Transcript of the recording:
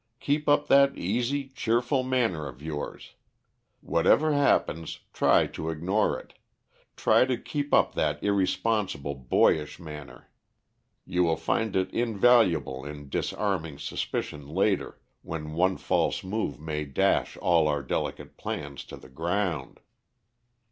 "Keep up that easy, cheerful manner of yours. Whatever happens, try to ignore it; try to keep up that irresponsible boyish manner. You will find it invaluable in disarming suspicion later, when one false move may dash all our delicate plans to the ground."